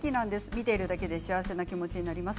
見ているだけで幸せな気持ちになります。